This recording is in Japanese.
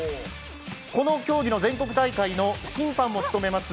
この競技の全国大会の審判も務めます